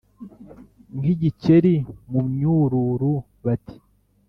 –nk’igikeri mu myururu, bati: